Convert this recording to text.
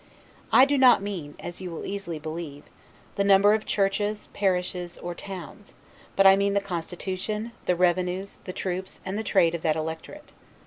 I do not mean, as you will easily believe, the number of churches, parishes, or towns; but I mean the constitution, the revenues, the troops, and the trade of that electorate.